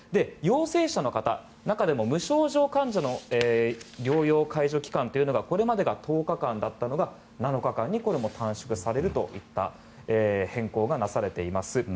陽性者の方中でも無症状患者の療養用解除期間というのがこれまでが１０日間だったのが７日間に短縮されるという変更がなされています。